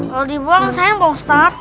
kalau dibuang sayang pak ustadz